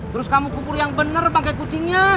terus kamu kukur yang bener bangke kucingnya